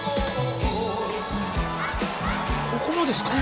ここもですか？